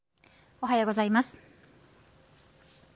おはようございます。